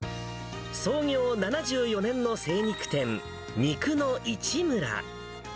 創業７４年の精肉店、肉のイチムラ。